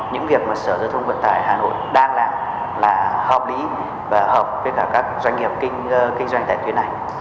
những việc mà sở giao thông vận tải hà nội đang làm là hợp lý và hợp với cả các doanh nghiệp kinh doanh tại tuyến này